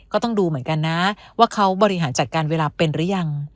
ก็ต้องดูเหมือนกันนะว่าเขาบริหารจัดการเวลาเป็นหรือยัง